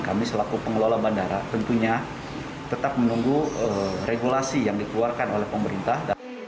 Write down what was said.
kami selaku pengelola bandara tentunya tetap menunggu regulasi yang dikeluarkan oleh pemerintah